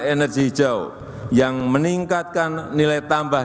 energi hijau yang meningkatkan nilai tambah